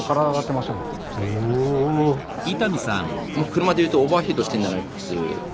車でいうとオーバーヒートしてんじゃないかっていう。